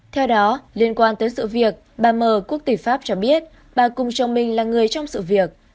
theo đó liên quan tới sự việc bà mờ quốc tỷ pháp cho biết bà cùng chồng mình là người trong sự việc